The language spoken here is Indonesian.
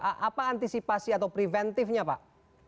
apa antisipasi atau preventifnya pak